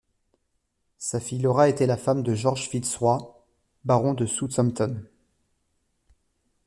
Sa fille Laura était la femme de George FitzRoy, Baron de Southampton.